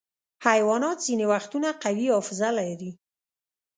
حیوانات ځینې وختونه قوي حافظه لري.